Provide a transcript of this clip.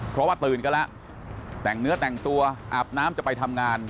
เพราะว่าตื่นกันแล้วแต่งเนื้อแต่งตัวอาบน้ำจะไปทำงาน